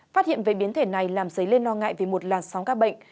phát hiện về biến thể này làm giấy lên lo ngại vì một làn sóng các bệnh